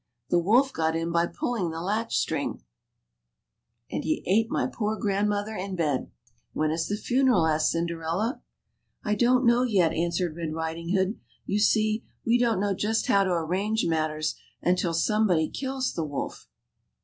The wolf got in by pulling the latch string, and he ate my poor grand mother in bed." " When is the funeral ?" asked Cinderella. "I don't know yet," answered Red Riding hood; "you see, we don't know just how to arrange matters until somebody kills the wolf."